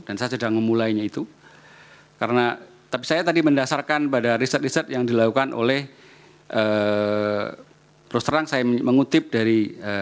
dan saya sedang memulainya itu tapi saya tadi mendasarkan pada riset riset yang dilakukan oleh terus terang saya mengutip dari